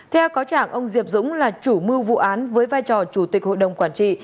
theo cáo trạng ông diệp dũng là chủ mưu vụ án với vai trò chủ tịch hội đồng quản trị